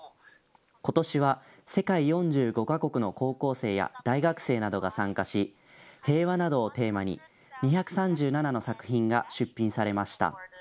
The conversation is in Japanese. ことしは世界４５か国の高校生や大学生などが参加し平和などをテーマに２３７の作品が出品されました。